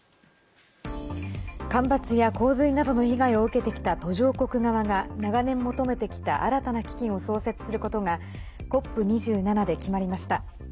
干ばつや洪水などの被害を受けてきた途上国側が長年求めてきた新たな基金を創設することがＣＯＰ２７で決まりました。